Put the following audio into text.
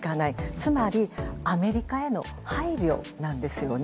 つまり、アメリカへの配慮なんですよね。